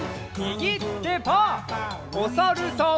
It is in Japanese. おさるさん。